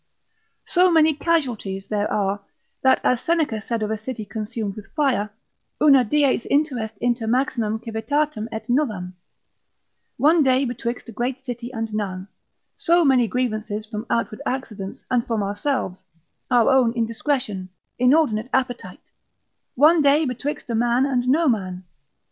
So many casualties there are, that as Seneca said of a city consumed with fire, Una dies interest inter maximum civitatem et nullam, one day betwixt a great city and none: so many grievances from outward accidents, and from ourselves, our own indiscretion, inordinate appetite, one day betwixt a man and no man.